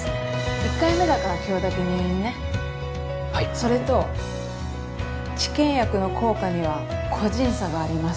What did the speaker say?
１回目だから今日だけ入院ねはいそれと治験薬の効果には個人差があります